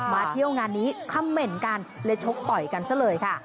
เที่ยวงานนี้คำเหม็นกันเลยชกต่อยกันซะเลยค่ะ